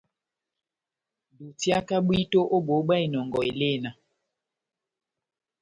Dutiaka bwito ó boho bwa inɔngɔ elena.